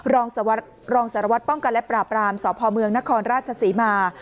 รองสารวัตรป้องกันและปราบรามสพเมืองนครราชศรีมา